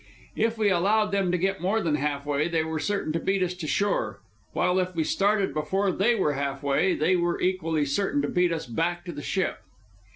If we allowed them to get more than half way, they were certain to beat us to shore; while if we started before they were half way, they were equally certain to beat us back to the ship.